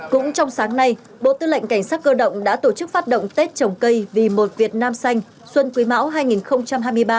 cũng trong sáng nay bộ tư lệnh cảnh sát cơ động đã tổ chức phát động tết trồng cây vì một việt nam xanh xuân quý mão hai nghìn hai mươi ba